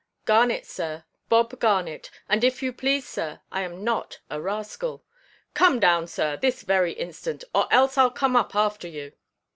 "Garnet, sir, Bob Garnet. And if you please, sir, I am not a rascal." "Come down, sir, this very instant; or else Iʼll come up after you."